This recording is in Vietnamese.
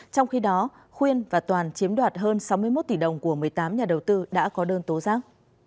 trong khi đó khuyên và toàn chiếm đoạt hơn sáu mươi một tỷ đồng của một mươi tám nhà đầu tư đã có đơn tố giác